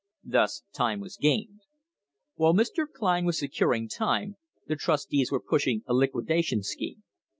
Thus time was gained. While Mr. Kline was securing time, the trustees were push ing a liquidation scheme.